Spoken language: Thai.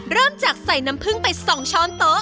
เริ่มจากใส่น้ำผึ้งไป๒ช้อนโต๊ะ